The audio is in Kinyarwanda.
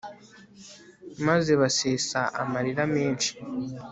maze basesa amarira menshi